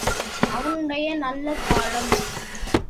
அவனுடைய நல்ல காலம்.